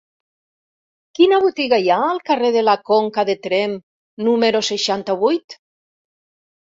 Quina botiga hi ha al carrer de la Conca de Tremp número seixanta-vuit?